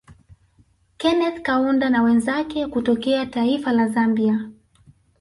Keneth Kaunda na wenzake kutokea taifa La Zambia